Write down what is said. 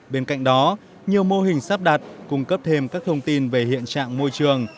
bên cạnh đó nhiều mô hình sắp đặt cung cấp thêm các thông tin về hiện trạng môi trường